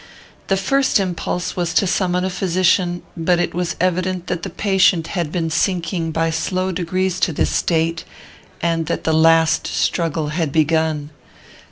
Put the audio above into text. The first impulse was to summon a physician; but it was evident that the patient had been sinking by slow degrees to this state, and that the last struggle had begun.